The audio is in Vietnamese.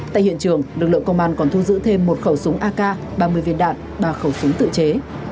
tại hiện trường lực lượng công an còn thu giữ thêm một khẩu súng ak ba mươi viên đạn ba khẩu súng tự chế